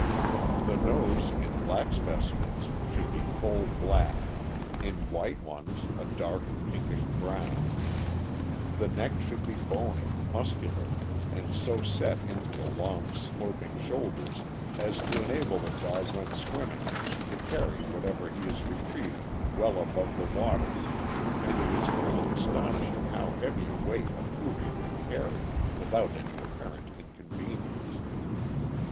The nose, in black specimens, should be coal black; in white ones, a dark, pinkish brown. The THE POODLE. 617 neck should be bony, muscular, and so set into the long, sloping shoulders as to enable the dog when swimming to carry whatever he is retrieving well above the water; and it is really astonishing how heavy a weight a Poodle can carry without any apparent inconvenience.